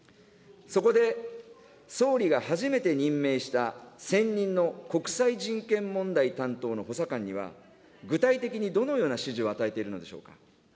そこで、総理が初めて任命した、専任の国際人権問題担当の補佐官には、具体的にどのような指示を与えているのでしょうか。